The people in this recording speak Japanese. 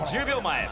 １０秒前。